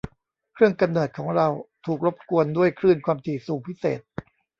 เครื่องกำเนิดของเราถูกรบกวนด้วยคลื่นความถี่สูงพิเศษ